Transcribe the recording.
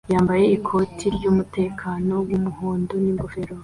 yambaye ikoti ryumutekano wumuhondo ningofero